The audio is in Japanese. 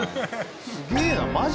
すげえなマジ？